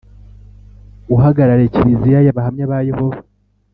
Uhagarariye Kiliziya y’Abahamya ba Yehova